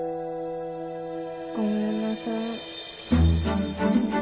ごめんなさい。